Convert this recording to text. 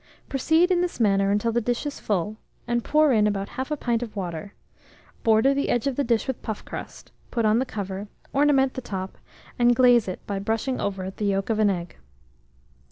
Proceed in this manner until the dish is full, and pour in about 1/2 pint of water; border the edge of the dish with puff crust, put on the cover, ornament the top, and glaze it by brushing over it the yolk of an egg.